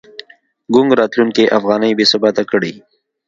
ګونګ راتلونکی افغانۍ بې ثباته کړې.